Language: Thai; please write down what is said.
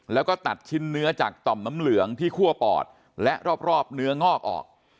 แล้วก็ตัดชิ้นเนื้อจากต่อมน้ำเหลืองที่คั่วปอดและรอบเนื้องอกออก